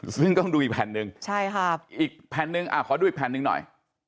ซึ่งต้องดูอีกแผนนึงอีกแผนนึงอ่าขอดูหนึ่งหน่อย